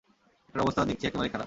এটার অবস্থা দেখছি একেবারেই খারাপ।